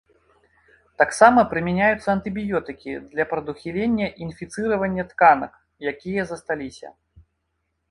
Таксама прымяняюцца антыбіётыкі для прадухілення інфіцыравання тканак, якія засталіся.